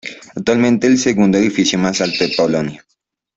Actualmente es el segundo edificio más alto de Polonia.